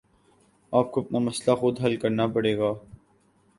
آپ کو اپنا مسئلہ خود حل کرنا پڑے گا